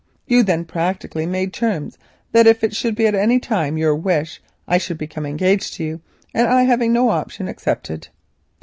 You then practically made terms that if it should at any time be your wish I should become engaged to you; and I, seeing no option, accepted.